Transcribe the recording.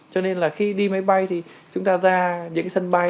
cho nên khi đi máy bay chúng ta ra những sân bay